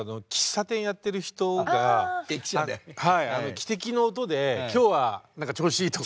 汽笛の音で今日は何か調子いいとか。